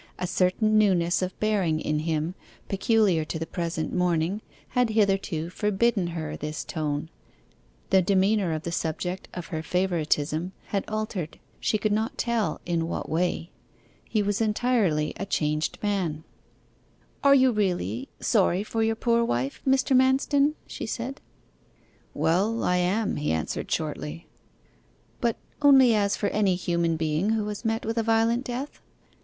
A certain newness of bearing in him, peculiar to the present morning, had hitherto forbidden her this tone: the demeanour of the subject of her favouritism had altered, she could not tell in what way. He was entirely a changed man. 'Are you really sorry for your poor wife, Mr. Manston?' she said. 'Well, I am,' he answered shortly. 'But only as for any human being who has met with a violent death?